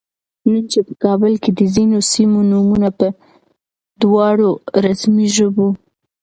نن چې په کابل کې د ځینو سیمو نومونه په دواړو رسمي ژبو